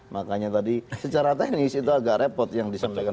makanya tadi secara teknis itu agak repot yang disampaikan